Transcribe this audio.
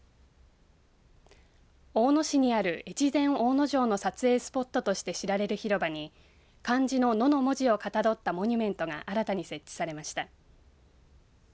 大野市にある越前大野城の撮影スポットとして知られる広場に漢字の野の文字をかたどったモニュメントが新たに設置されました。